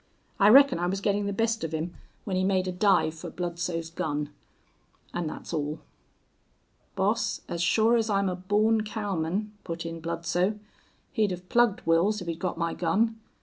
I reckon I was getting the best of him when he made a dive for Bludsoe's gun. And that's all." "Boss, as sure as I'm a born cowman," put in Bludsoe, "he'd hev plugged Wils if he'd got my gun.